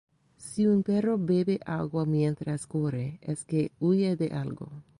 Si un perro bebe agua mientras corre, es que huye de algo.